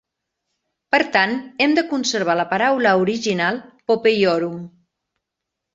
Per tant, hem de conservar la paraula original "popeiorum".